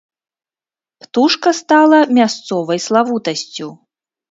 Птушка стала мясцовай славутасцю.